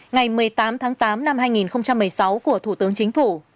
ngày một mươi tám tháng tám năm hai nghìn một mươi sáu của thủ tướng chính phủ